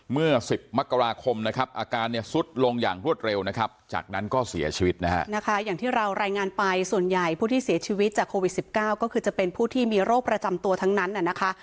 เมื่อ๑๐มกราคมนะครับอาการเนี่ยสุดลงอย่างรวดเร็วนะครับจากนั้นก็เสียชีวิตนะฮะนะคะอย่างที่เรารายงานไปส่วนใหญ่ผู้ที่เสียชีวิตจากโควิด๑๙ก็คือจะเป็นผู้ที่มีโรคประจำตัวทั้งนั้นนะคะ